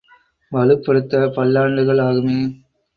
வலுப்படுத்த, பல்லாண்டுகள் ஆகுமே!